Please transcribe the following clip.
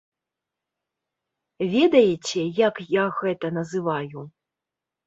Ведаеце, як я гэта называю?